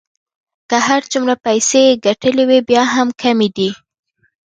که هر څومره پیسې يې ګټلې وې بیا هم کمې دي.